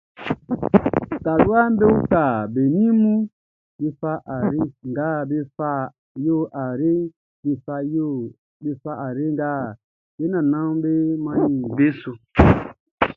Taluaʼm be uka be ninʼm be fa ayre nga be fa yo ayreʼn, be fa ayre nga be nannanʼm be mannin beʼn su.